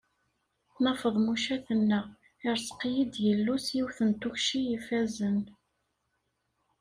Nna Feḍmuca tenna: Ireẓq-iyi-d Yillu s yiwet n tukci ifazen.